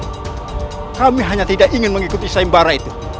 tidak kami hanya tidak ingin mengikuti sembara itu